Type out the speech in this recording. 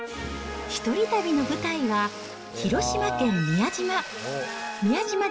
一人旅の舞台は広島県宮島。